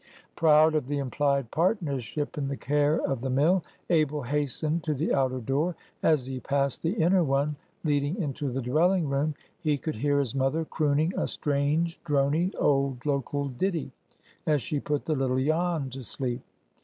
Proud of the implied partnership in the care of the mill, Abel hastened to the outer door. As he passed the inner one, leading into the dwelling room, he could hear his mother crooning a strange, drony, old local ditty, as she put the little Jan to sleep.